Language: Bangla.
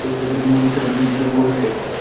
নিসার আলি বললেন, কে?